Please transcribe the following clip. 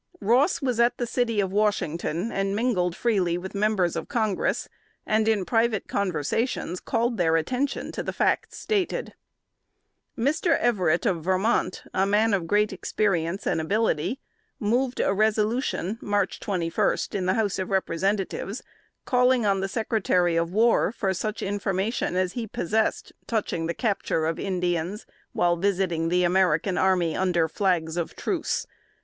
Ross was at the city of Washington, and mingled freely with members of Congress, and in private conversations called their attention to the facts stated. Mr. Everett, of Vermont, a man of great experience and ability, moved a resolution (March 21) in the House of Representatives, calling on the Secretary of War for such information as he possessed touching the capture of Indians, while visiting the American army under flags of truce.